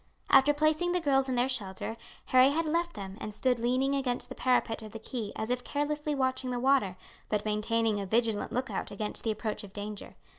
After placing the girls in their shelter Harry had left them and stood leaning against the parapet of the quay as if carelessly watching the water, but maintaining a vigilant look out against the approach of danger.